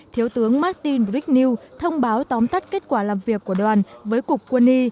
thiếu tướng martin bricknell thông báo tóm tắt kết quả làm việc của đoàn với cục quân y